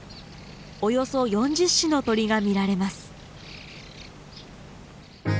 およそ４０種の鳥が見られます。